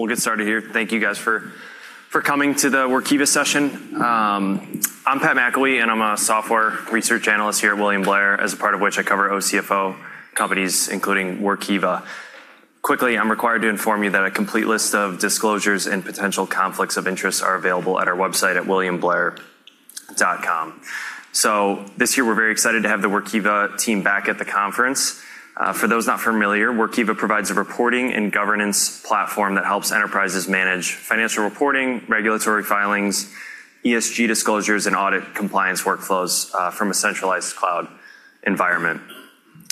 We'll get started here. Thank you guys for coming to the Workiva session. I'm Patrick McIlwee, and I'm a software research analyst here at William Blair, as a part of which I cover OCFO companies, including Workiva. Quickly, I'm required to inform you that a complete list of disclosures and potential conflicts of interest are available at our website at williamblair.com. This year, we're very excited to have the Workiva team back at the conference. For those not familiar, Workiva provides a reporting and governance platform that helps enterprises manage Financial Reporting, regulatory filings, ESG disclosures, and audit compliance workflows from a centralized cloud environment.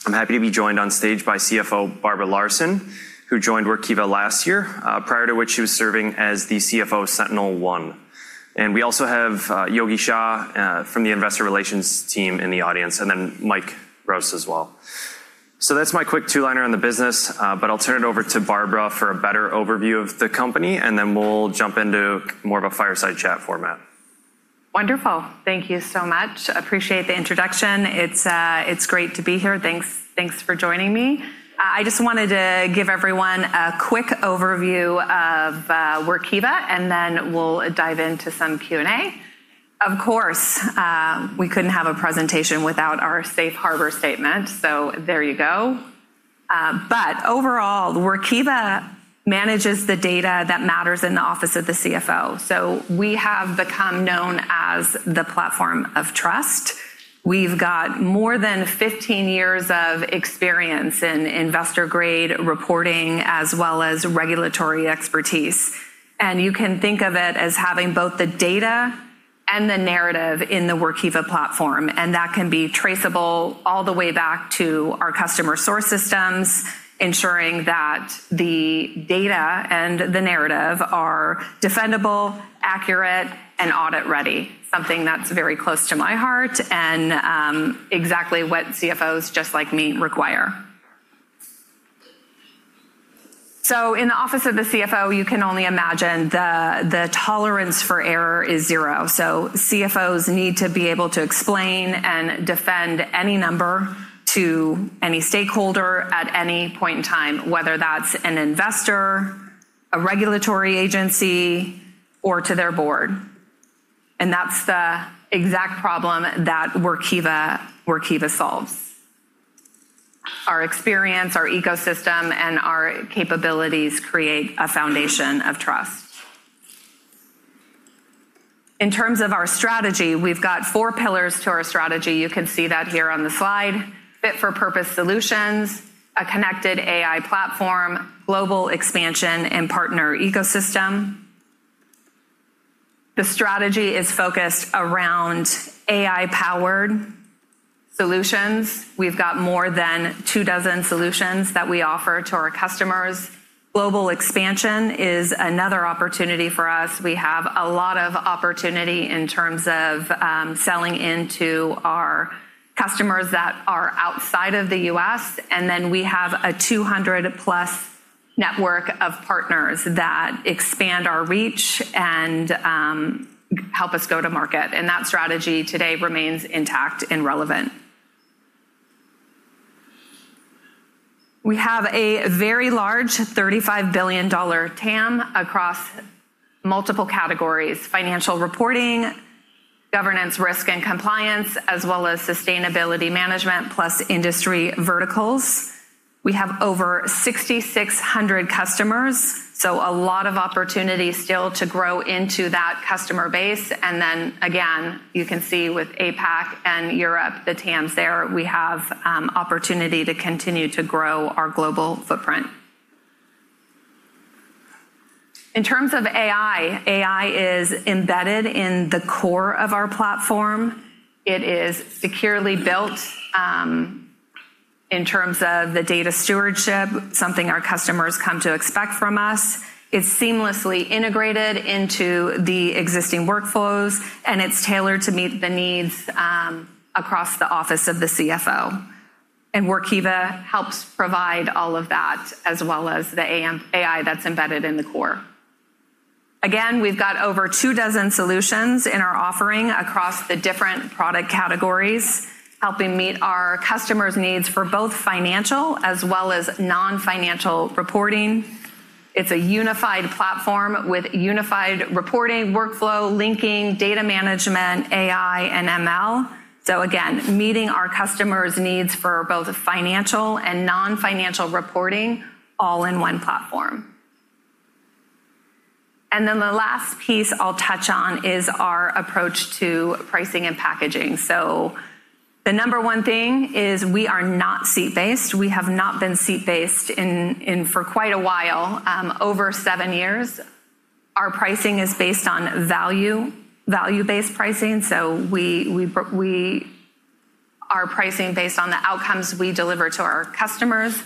I'm happy to be joined on stage by CFO Barbara Larson, who joined Workiva last year, prior to which she was serving as the CFO of SentinelOne. We also have Yogi Shah from the Investor Relations team in the audience, and then Mike Rost as well. That's my quick two-liner on the business, but I'll turn it over to Barbara for a better overview of the company, and then we'll jump into more of a fireside chat format. Wonderful. Thank you so much. Appreciate the introduction. It's great to be here. Thanks for joining me. I just wanted to give everyone a quick overview of Workiva, and then we'll dive into some Q&A. Of course, we couldn't have a presentation without our safe harbor statement, there you go. Overall, Workiva manages the data that matters in the office of the CFO. We have become known as the platform of trust. We've got more than 15 years of experience in investor-grade reporting as well as regulatory expertise. You can think of it as having both the data and the narrative in the Workiva platform, and that can be traceable all the way back to our customer source systems, ensuring that the data and the narrative are defendable, accurate, and audit ready. Something that's very close to my heart and exactly what CFOs just like me require. In the office of the CFO, you can only imagine the tolerance for error is zero. CFOs need to be able to explain and defend any number to any stakeholder at any point in time, whether that's an investor, a regulatory agency, or to their board. That's the exact problem that Workiva solves. Our experience, our ecosystem, and our capabilities create a foundation of trust. In terms of our strategy, we've got four pillars to our strategy. You can see that here on the slide. Fit-for-purpose solutions, a connected AI platform, global expansion, and partner ecosystem. The strategy is focused around AI-powered solutions. We've got more than two dozen solutions that we offer to our customers. Global expansion is another opportunity for us. We have a lot of opportunity in terms of selling into our customers that are outside of the U.S., and then we have a 200-plus network of partners that expand our reach and help us go to market. That strategy today remains intact and relevant. We have a very large $35 billion TAM across multiple categories: Financial Reporting, governance, risk, and compliance, as well as sustainability management plus industry verticals. We have over 6,600 customers, so a lot of opportunity still to grow into that customer base. Again, you can see with APAC and Europe, the TAMs there, we have opportunity to continue to grow our global footprint. In terms of AI is embedded in the core of our Workiva platform. It is securely built, in terms of the data stewardship, something our customers come to expect from us. It's seamlessly integrated into the existing workflows, and it's tailored to meet the needs across the office of the CFO. Workiva helps provide all of that, as well as the AI that's embedded in the core. Again, we've got over two dozen solutions in our offering across the different product categories, helping meet our customers' needs for both financial as well as non-financial reporting. It's a unified platform with unified reporting, workflow linking, data management, AI, and ML. Again, meeting our customers' needs for both financial and non-financial reporting all in one platform. The last piece I'll touch on is our approach to pricing and packaging. The number one thing is we are not seat-based. We have not been seat-based in for quite a while, over seven years. Our pricing is based on value-based pricing. Our pricing based on the outcomes we deliver to our customers.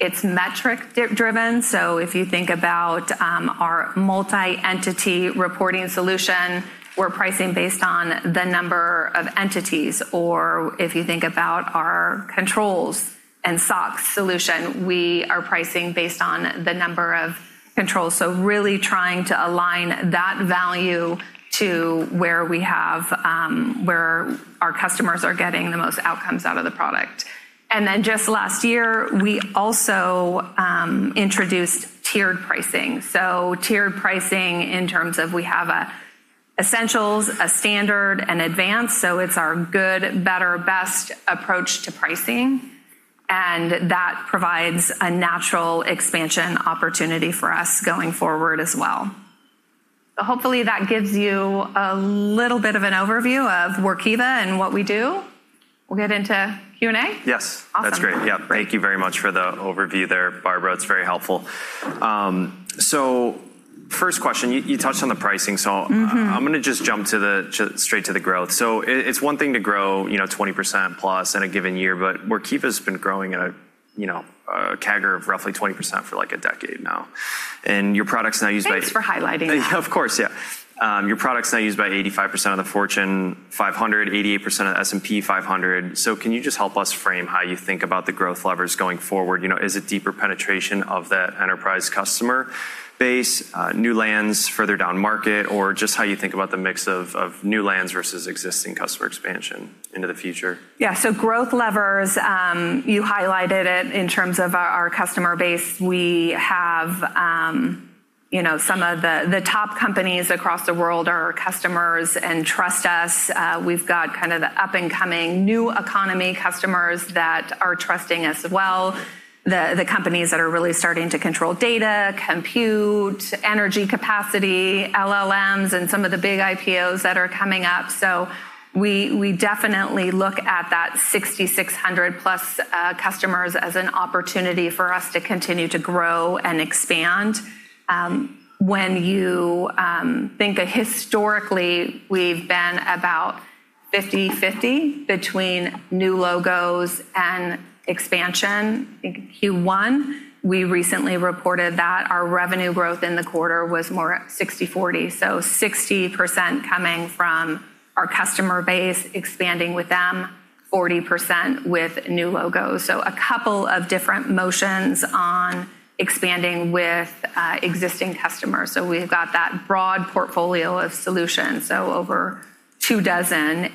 It's metric-driven. If you think about our Multi-Entity reporting solution, we're pricing based on the number of entities. If you think about our Controls and SOX solution, we are pricing based on the number of controls. Really trying to align that value to where our customers are getting the most outcomes out of the product. Just last year, we also introduced tiered pricing. Tiered pricing in terms of we have essentials, a standard, and advanced, so it's our good, better, best approach to pricing. That provides a natural expansion opportunity for us going forward as well. Hopefully, that gives you a little bit of an overview of Workiva and what we do. We'll get into Q&A? Yes. Awesome. That's great. Yeah. Thank you very much for the overview there, Barbara. It's very helpful. First question. You touched on the pricing. I'm going to just jump straight to the growth. It's one thing to grow 20%+ in a given year, but Workiva's been growing at a CAGR of roughly 20% for a decade now. Your product's now used by Thanks for highlighting that. Of course. Yeah. Your product's now used by 85% of the Fortune 500, 88% of the S&P 500. Can you just help us frame how you think about the growth levers going forward? Is it deeper penetration of that enterprise customer base, new lands further down market, or just how you think about the mix of new lands versus existing customer expansion into the future? Yeah. Growth levers, you highlighted it in terms of our customer base. We have some of the top companies across the world are our customers and trust us. We've got the up-and-coming new economy customers that are trusting us as well, the companies that are really starting to control data, compute, energy capacity, LLMs, and some of the big IPOs that are coming up. We definitely look at that 6,600-plus customers as an opportunity for us to continue to grow and expand. When you think of historically, we've been about 50/50 between new logos and expansion. In Q1, we recently reported that our revenue growth in the quarter was more 60/40, so 60% coming from our customer base, expanding with them, 40% with new logos. A couple of different motions on expanding with existing customers. We've got that broad portfolio of solutions, over two dozen,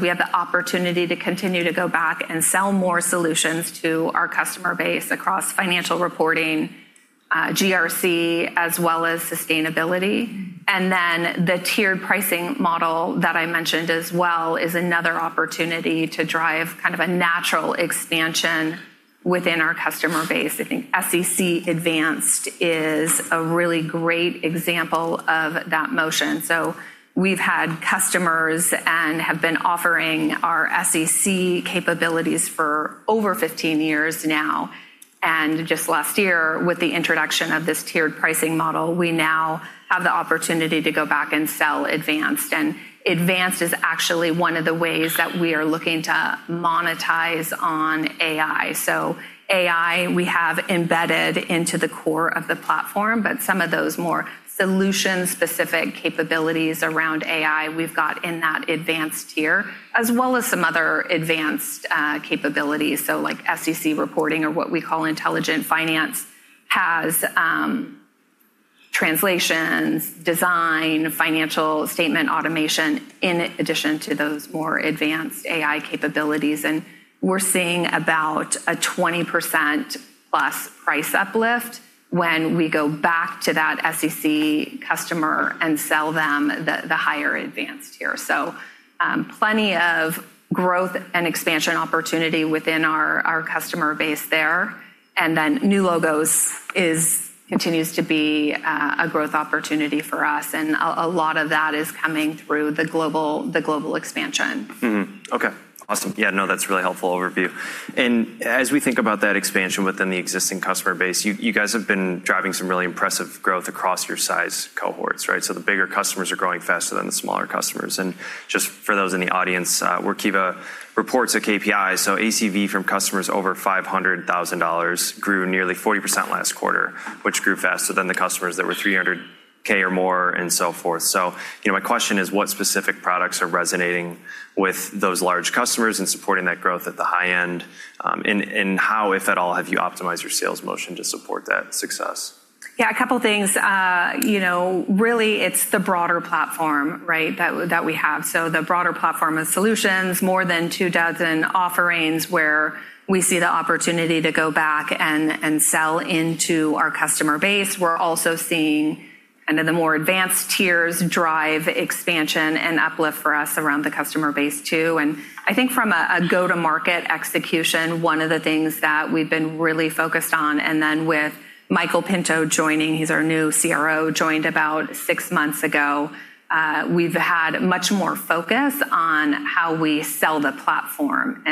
we have the opportunity to continue to go back and sell more solutions to our customer base across Financial Reporting, GRC, as well as Sustainability. Then the tiered pricing model that I mentioned as well is another opportunity to drive a natural expansion within our customer base. I think SEC Advanced is a really great example of that motion. We've had customers and have been offering our SEC capabilities for over 15 years now, and just last year, with the introduction of this tiered pricing model, we now have the opportunity to go back and sell Advanced. Advanced is actually one of the ways that we are looking to monetize on AI. AI, we have embedded into the core of the platform, but some of those more solution-specific capabilities around AI we've got in that advanced tier, as well as some other advanced capabilities. SEC reporting or what we call Intelligent Finance has translations, design, financial statement automation, in addition to those more advanced AI capabilities. We're seeing about a 20%+ price uplift when we go back to that SEC customer and sell them the higher advanced tier. Plenty of growth and expansion opportunity within our customer base there. New logos continues to be a growth opportunity for us, and a lot of that is coming through the global expansion. Mm-hmm. Okay. Awesome. Yeah, no, that's a really helpful overview. As we think about that expansion within the existing customer base, you guys have been driving some really impressive growth across your size cohorts, right? The bigger customers are growing faster than the smaller customers. Just for those in the audience, Workiva reports a KPI, ACV from customers over $500,000 grew nearly 40% last quarter, which grew faster than the customers that were $300K or more and so forth. My question is, what specific products are resonating with those large customers and supporting that growth at the high end? How, if at all, have you optimized your sales motion to support that success? Yeah, a couple of things. Really, it's the broader platform, right? That we have. The broader platform of solutions, more than two dozen offerings where we see the opportunity to go back and sell into our customer base. We're also seeing the more advanced tiers drive expansion and uplift for us around the customer base, too. I think from a go-to-market execution, one of the things that we've been really focused on, then with Michael Pinto joining, he's our new CRO, joined about six months ago, we've had much more focus on how we sell the platform.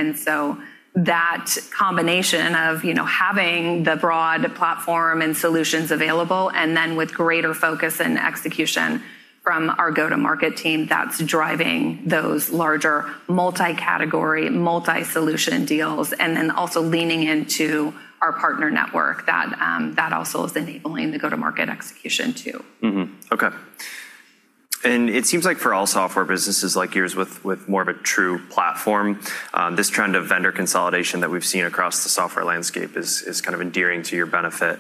That combination of having the broad platform and solutions available, then with greater focus and execution from our go-to-market team, that's driving those larger multi-category, multi-solution deals, then also leaning into our partner network, that also is enabling the go-to-market execution, too. Okay. It seems like for all software businesses like yours with more of a true platform, this trend of vendor consolidation that we've seen across the software landscape is endearing to your benefit.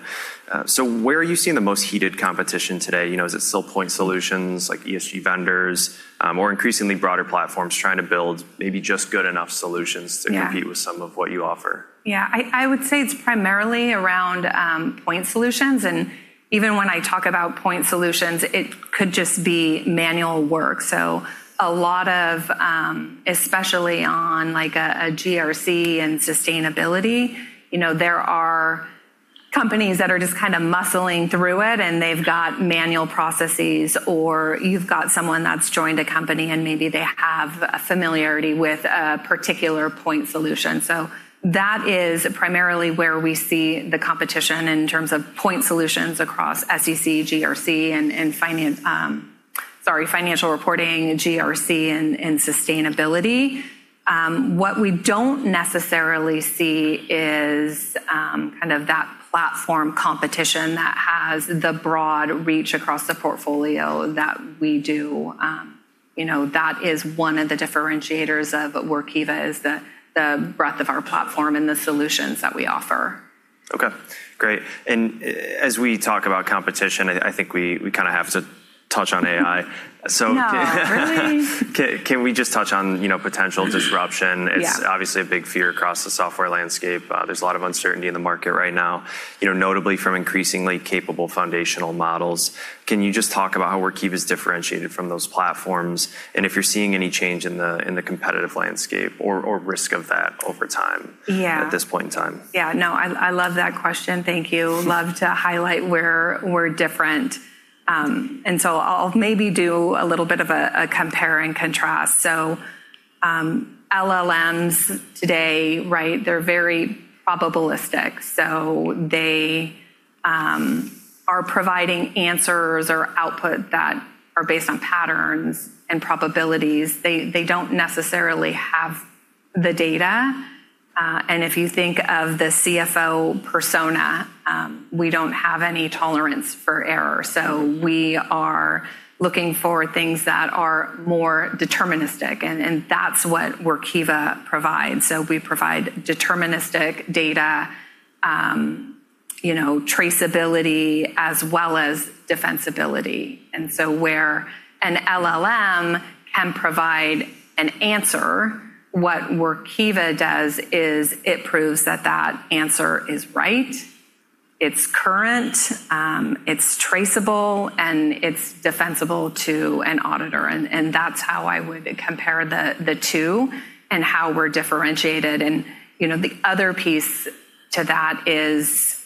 Where are you seeing the most heated competition today? Is it still point solutions like ESG vendors, or increasingly broader platforms trying to build maybe just good enough solutions? Yeah to compete with some of what you offer? Yeah, I would say it's primarily around point solutions. Even when I talk about point solutions, it could just be manual work. A lot of, especially on a GRC and Sustainability, there are companies that are just muscling through it, and they've got manual processes, or you've got someone that's joined a company and maybe they have a familiarity with a particular point solution. That is primarily where we see the competition in terms of point solutions across SEC, GRC, and Financial Reporting, GRC, and Sustainability. What we don't necessarily see is that Platform competition that has the broad reach across the portfolio that we do. That is one of the differentiators of Workiva, is the breadth of our Platform and the solutions that we offer. Okay, great. As we talk about competition, I think we have to touch on AI. No, really? Can we just touch on potential disruption? Yeah. It's obviously a big fear across the software landscape. There's a lot of uncertainty in the market right now, notably from increasingly capable foundational models. Can you just talk about how Workiva's differentiated from those platforms, and if you're seeing any change in the competitive landscape or risk of that over time? Yeah at this point in time? Yeah. No, I love that question. Thank you. Love to highlight where we're different. I'll maybe do a little bit of a compare and contrast. LLMs today, they're very probabilistic. They are providing answers or output that are based on patterns and probabilities. They don't necessarily have the data. If you think of the CFO persona, we don't have any tolerance for error. We are looking for things that are more deterministic, and that's what Workiva provides. We provide deterministic data, traceability, as well as defensibility. Where an LLM can provide an answer, what Workiva does is it proves that that answer is right, it's current, it's traceable, and it's defensible to an auditor. That's how I would compare the two and how we're differentiated. The other piece to that is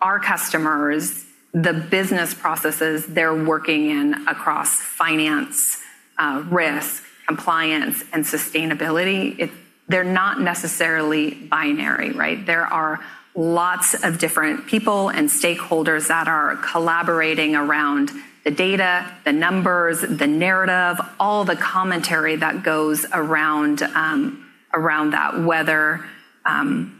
our customers, the business processes they're working in across finance, risk, compliance, and Sustainability, they're not necessarily binary. There are lots of different people and stakeholders that are collaborating around the data, the numbers, the narrative, all the commentary that goes around that, whether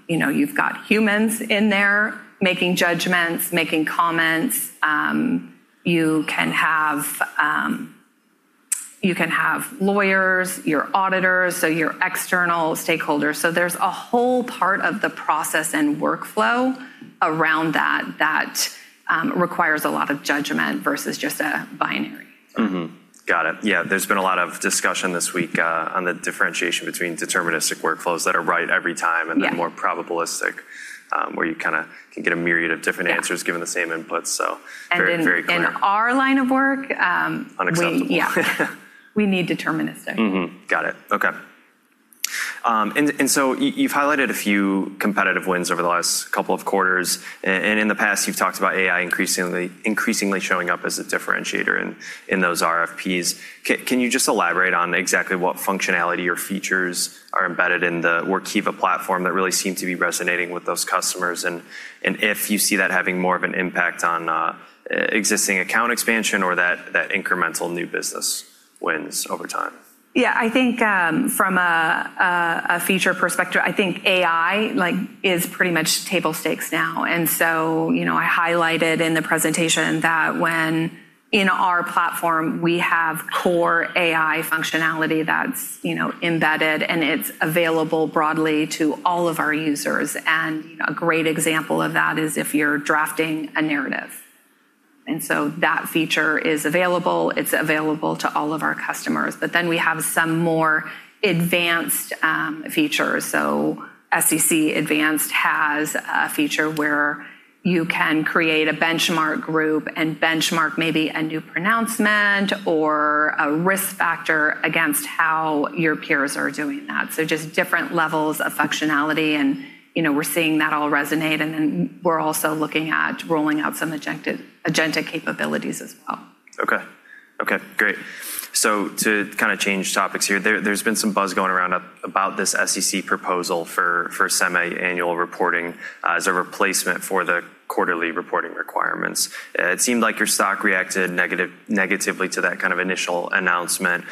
you've got humans in there making judgments, making comments. You can have lawyers, your auditors, your external stakeholders. There's a whole part of the process and workflow around that that requires a lot of judgment versus just a binary. Mm-hmm. Got it. Yeah, there's been a lot of discussion this week on the differentiation between deterministic workflows that are right every time. Yeah More probabilistic, where you can get a myriad of different answers. Yeah given the same input, very clear. In our line of work. Unacceptable. Yeah. We need deterministic. Got it. Okay. You've highlighted a few competitive wins over the last couple of quarters, and in the past, you've talked about AI increasingly showing up as a differentiator in those RFPs. Can you just elaborate on exactly what functionality or features are embedded in the Workiva platform that really seem to be resonating with those customers, and if you see that having more of an impact on existing account expansion or that incremental new business wins over time? Yeah, I think from a feature perspective, I think AI is pretty much table stakes now. I highlighted in the presentation that when in our platform, we have core AI functionality that's embedded, and it's available broadly to all of our users. A great example of that is if you're drafting a narrative. That feature is available, it's available to all of our customers. We have some more advanced features. SEC Advanced has a feature where you can create a benchmark group and benchmark maybe a new pronouncement or a risk factor against how your peers are doing that. Just different levels of functionality, and we're seeing that all resonate, and then we're also looking at rolling out some agent capabilities as well. Okay. Great. To change topics here, there's been some buzz going around about this SEC proposal for semi-annual reporting as a replacement for the quarterly reporting requirements. It seemed like your stock reacted negatively to that kind of initial announcement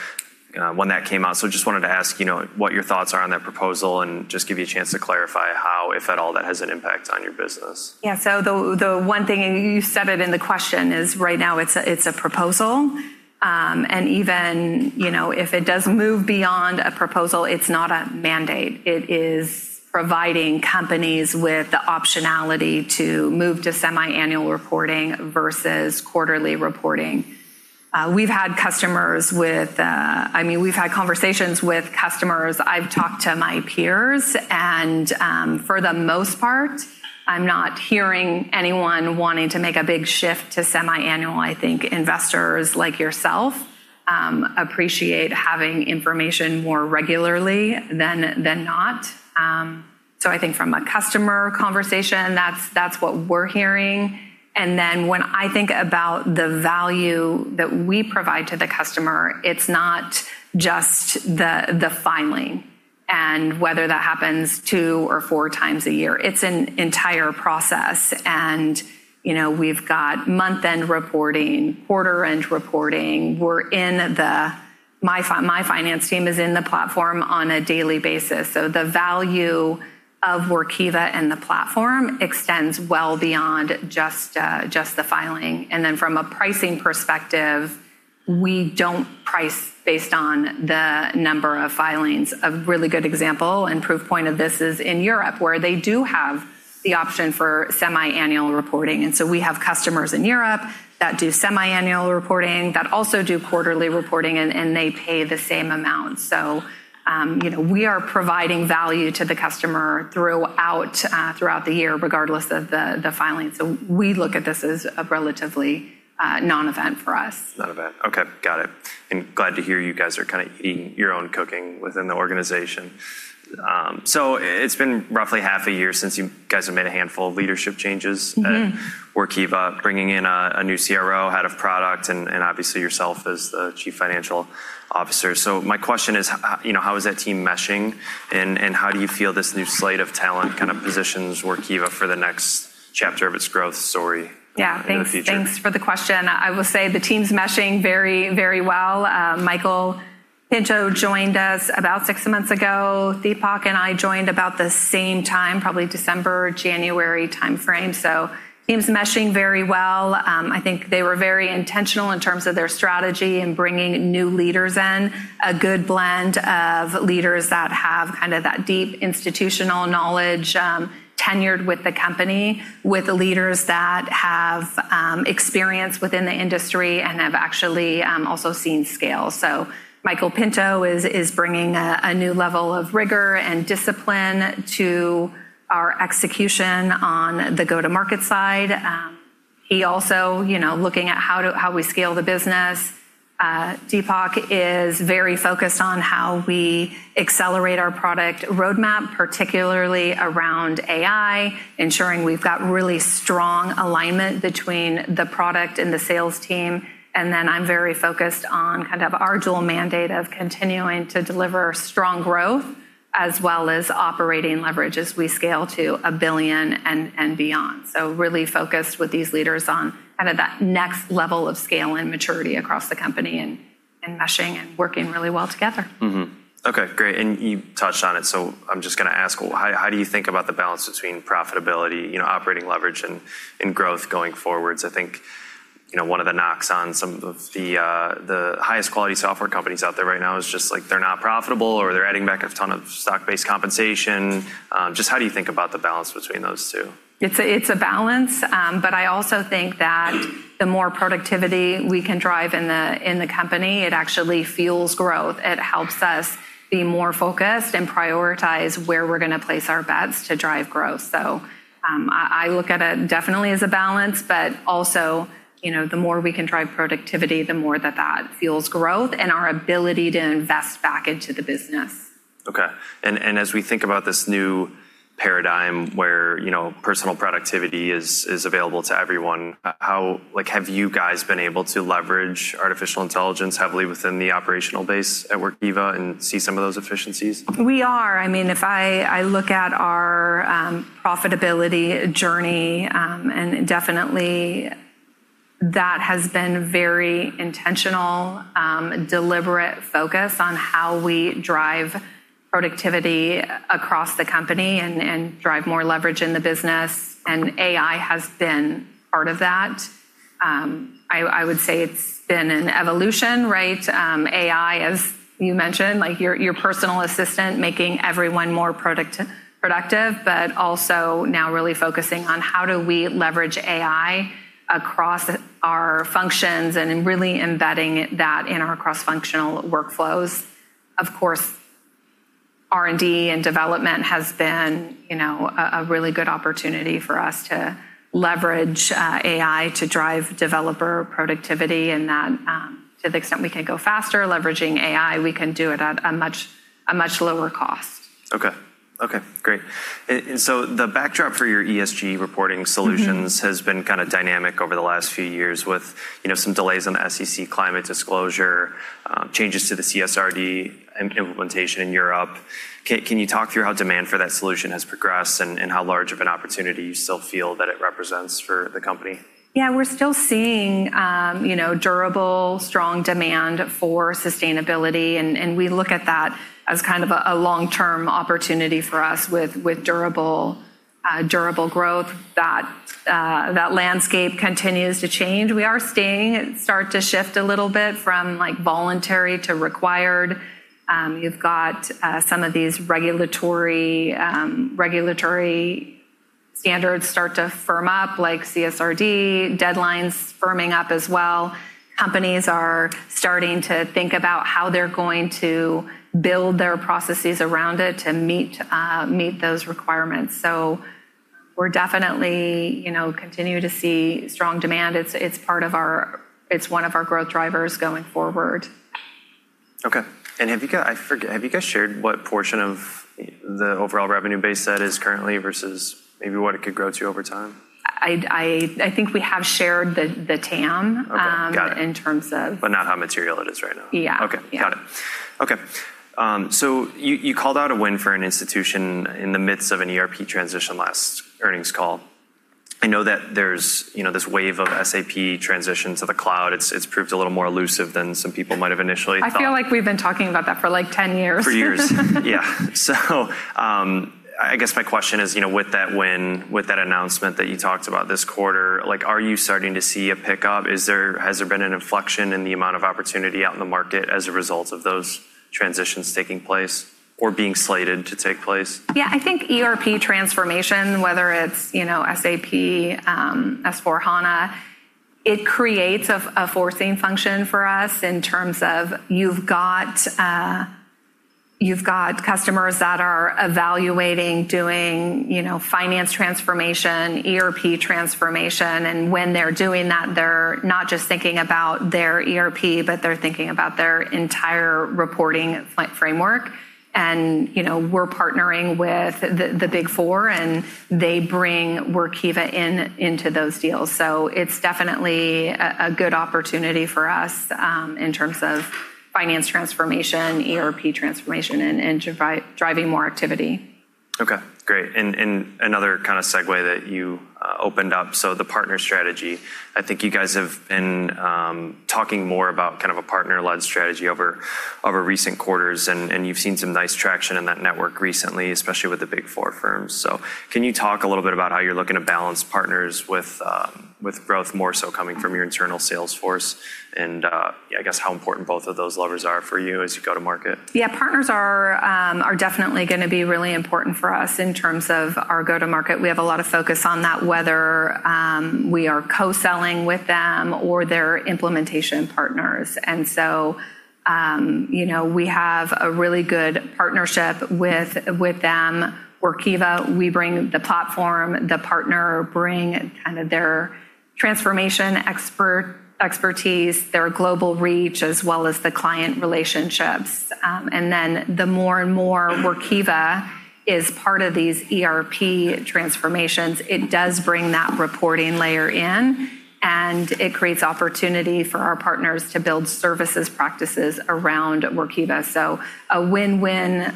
when that came out. Just wanted to ask, what your thoughts are on that proposal and just give you a chance to clarify how, if at all, that has an impact on your business? Yeah. The one thing, and you said it in the question, is right now it's a proposal. Even if it does move beyond a proposal, it's not a mandate. It is providing companies with the optionality to move to semi-annual reporting versus quarterly reporting. We've had conversations with customers, I've talked to my peers, and for the most part, I'm not hearing anyone wanting to make a big shift to semi-annual. I think investors like yourself appreciate having information more regularly than not. I think from a customer conversation, that's what we're hearing. When I think about the value that we provide to the customer, it's not just the filing and whether that happens 2x or 4x a year. It's an entire process. We've got month-end reporting, quarter-end reporting. My finance team is in the platform on a daily basis. The value of Workiva and the platform extends well beyond just the filing. From a pricing perspective, we don't price based on the number of filings. A really good example and proof point of this is in Europe, where they do have the option for semi-annual reporting. We have customers in Europe that do semi-annual reporting that also do quarterly reporting, and they pay the same amount. We are providing value to the customer throughout the year, regardless of the filing. We look at this as a relatively non-event for us. Non-event. Okay, got it. Glad to hear you guys are kind of eating your own cooking within the organization. It's been roughly half a year since you guys have made a handful of leadership changes. at Workiva, bringing in a new CRO, head of product, and obviously yourself as the Chief Financial Officer. My question is, how is that team meshing, and how do you feel this new slate of talent kind of positions Workiva for the next chapter of its growth story. Yeah in the future? Thanks for the question. I will say the team's meshing very well. Michael Pinto joined us about six months ago. Deepak and I joined about the same time, probably December or January timeframe, so team's meshing very well. I think they were very intentional in terms of their strategy in bringing new leaders in. A good blend of leaders that have kind of that deep institutional knowledge, tenured with the company, with the leaders that have experience within the industry and have actually also seen scale. Michael Pinto is bringing a new level of rigor and discipline to our execution on the go-to-market side. He also is looking at how we scale the business. Deepak is very focused on how we accelerate our product roadmap, particularly around AI, ensuring we've got really strong alignment between the product and the sales team. Then I'm very focused on kind of our dual mandate of continuing to deliver strong growth as well as operating leverage as we scale to $1 billion and beyond. Really focused with these leaders on kind of that next level of scale and maturity across the company and meshing and working really well together. Okay, great. You touched on it, so I'm just going to ask, how do you think about the balance between profitability, operating leverage, and growth going forward? I think one of the knocks on some of the highest quality software companies out there right now is just they're not profitable or they're adding back a ton of stock-based compensation. How do you think about the balance between those two? It's a balance. I also think that the more productivity we can drive in the company, it actually fuels growth. It helps us be more focused and prioritize where we're going to place our bets to drive growth. I look at it definitely as a balance, but also, the more we can drive productivity, the more that that fuels growth and our ability to invest back into the business. Okay. As we think about this new paradigm where personal productivity is available to everyone, have you guys been able to leverage artificial intelligence heavily within the operational base at Workiva and see some of those efficiencies? We are. If I look at our profitability journey, definitely that has been very intentional, deliberate focus on how we drive productivity across the company and drive more leverage in the business. AI has been part of that. I would say it's been an evolution, right? AI, as you mentioned, like your personal assistant, making everyone more productive, but also now really focusing on how do we leverage AI across our functions and really embedding that in our cross-functional workflows. Of course, R&D and development has been a really good opportunity for us to leverage AI to drive developer productivity. That to the extent we can go faster leveraging AI, we can do it at a much lower cost. Okay. Great. The backdrop for your ESG reporting solutions. has been kind of dynamic over the last few years with some delays on the SEC climate disclosure, changes to the CSRD and implementation in Europe. Can you talk through how demand for that solution has progressed and how large of an opportunity you still feel that it represents for the company? We're still seeing durable, strong demand for sustainability, and we look at that as kind of a long-term opportunity for us with durable growth. That landscape continues to change. We are seeing it start to shift a little bit from voluntary to required. You've got some of these regulatory standards start to firm up, like CSRD, deadlines firming up as well. Companies are starting to think about how they're going to build their processes around it to meet those requirements. We're definitely continue to see strong demand. It's one of our growth drivers going forward. I forget, have you guys shared what portion of the overall revenue base that is currently versus maybe what it could grow to over time? I think we have shared the TAM. Okay. Got it. in terms of- Not how material it is right now. Yeah. Okay, got it. Okay. You called out a win for an institution in the midst of an ERP transition last earnings call. I know that there's this wave of SAP transition to the cloud. It's proved a little more elusive than some people might have initially thought. I feel like we've been talking about that for, like, 10 years. For years. Yeah. I guess my question is, with that win, with that announcement that you talked about this quarter, are you starting to see a pickup? Has there been an inflection in the amount of opportunity out in the market as a result of those transitions taking place or being slated to take place? Yeah, I think ERP transformation, whether it's SAP, S/4HANA, it creates a forcing function for us in terms of you've got customers that are evaluating doing finance transformation, ERP transformation, and when they're doing that, they're not just thinking about their ERP, but they're thinking about their entire reporting framework. We're partnering with the Big Four, and they bring Workiva into those deals. It's definitely a good opportunity for us, in terms of finance transformation, ERP transformation, and driving more activity. Okay, great. Another kind of segue that you opened up. The partner strategy, I think you guys have been talking more about kind of a partner-led strategy over recent quarters, and you've seen some nice traction in that network recently, especially with the Big Four firms. Can you talk a little bit about how you're looking to balance partners with growth more so coming from your internal sales force and, I guess, how important both of those levers are for you as you go to market? Yeah, partners are definitely going to be really important for us in terms of our go-to-market. We have a lot of focus on that, whether we are co-selling with them or they're implementation partners. We have a really good partnership with them. Workiva, we bring the platform, the partner bring kind of their transformation expertise, their global reach, as well as the client relationships. The more and more Workiva is part of these ERP transformations, it does bring that reporting layer in, and it creates opportunity for our partners to build services practices around Workiva. A win-win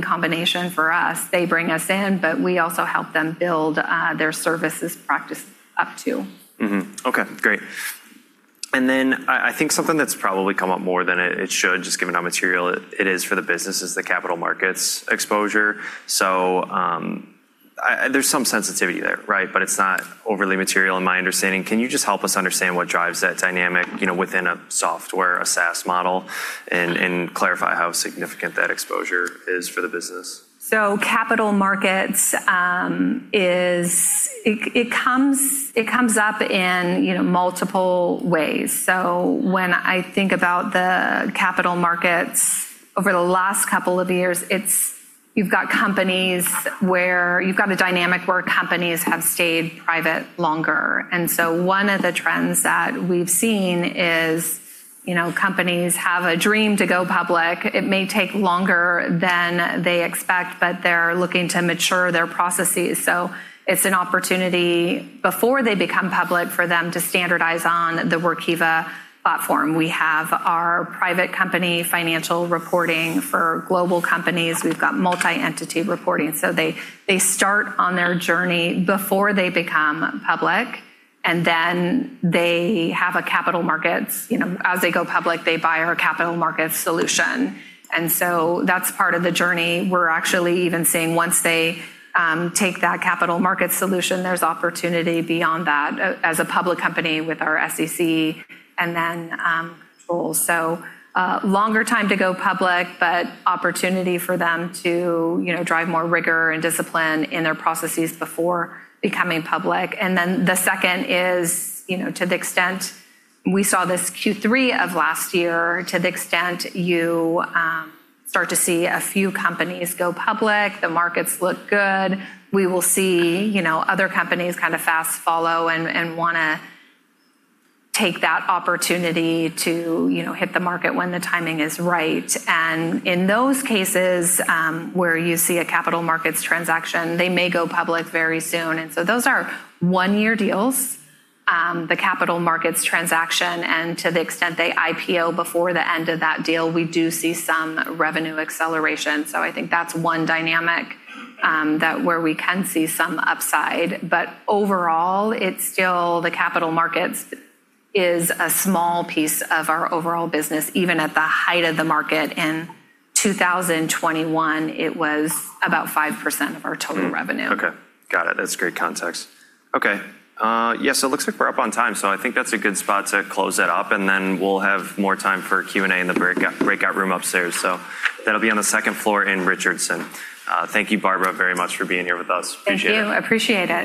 combination for us. They bring us in, we also help them build their services practice up too. Mm-hmm. Okay, great. Then I think something that's probably come up more than it should, just given how material it is for the business, is the Capital Markets exposure. There's some sensitivity there, right? It's not overly material in my understanding. Can you just help us understand what drives that dynamic within a software, a SaaS model, and clarify how significant that exposure is for the business? Capital Markets, it comes up in multiple ways. When I think about the Capital Markets over the last couple of years, you've got a dynamic where companies have stayed private longer. One of the trends that we've seen is companies have a dream to go public. It may take longer than they expect, but they're looking to mature their processes. It's an opportunity before they become public for them to standardize on the Workiva platform. We have our Private Company Reporting for global companies. We've got Multi-Entity Financial Reporting. They start on their journey before they become public, and then they have a Capital Markets. As they go public, they buy our Capital Markets solution. That's part of the journey. We're actually even seeing once they take that Capital Markets solution, there's opportunity beyond that as a public company with our SEC and then Controls. Longer time to go public, but opportunity for them to drive more rigor and discipline in their processes before becoming public. The second is to the extent we saw this Q3 of last year, to the extent you start to see a few companies go public. The markets look good. We will see other companies kind of fast follow and want to take that opportunity to hit the market when the timing is right. In those cases, where you see a Capital Markets transaction, they may go public very soon. Those are one-year deals, the Capital Markets transaction. To the extent they IPO before the end of that deal, we do see some revenue acceleration. I think that's one dynamic where we can see some upside. Overall, the capital markets is a small piece of our overall business. Even at the height of the market in 2021, it was about five percent of our total revenue. Okay, got it. That's great context. Okay. Yeah, it looks like we're up on time. I think that's a good spot to close that up. We'll have more time for Q&A in the breakout room upstairs. That'll be on the second floor in Richardson. Thank you, Barbara, very much for being here with us. Appreciate it. Thank you. Appreciate it.